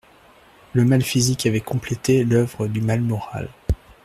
Le mal physique avait complété l'oeuvre du mal moral.